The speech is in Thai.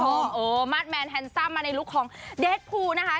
เออมาร์ทแมนแฮนซัมมาในลุคของเดทพูนะคะ